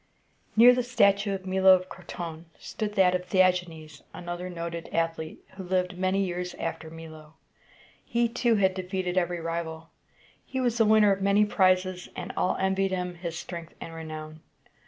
Near the statue of Milo of Croton stood that of The ag´e nes, another noted athlete, who lived many years after Milo. He too had defeated every rival. He was the winner of many prizes, and all envied him his strength and renown.